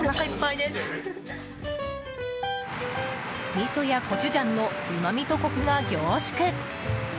みそやコチュジャンのうまみとコクが凝縮。